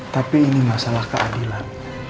tapi ini masalah keadilan